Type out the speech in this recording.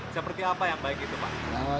seperti apa yang baik itu pak